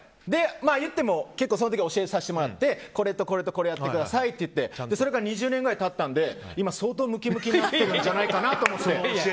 その時、教えさせてもらってこれとこれとこれやってくださいって言ってそれから２０年ぐらい経ったので今、相当むきむきになってるんじゃないかと。